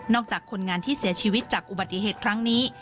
จากคนงานที่เสียชีวิตจากอุบัติเหตุครั้งนี้